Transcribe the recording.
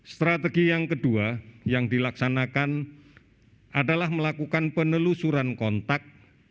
strategi yang kedua yang dilaksanakan adalah melakukan penelusuran kontak